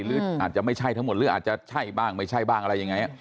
หรืออาจจะไม่ใช่ทั้งหมดหรืออาจจะใช่บ้างไม่ใช่บ้างอะไรยังไง